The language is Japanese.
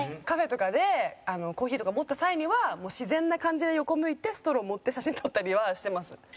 カフェとかでコーヒーとか持った際にはもう自然な感じで横向いてストロー持って写真撮ったりはしてます。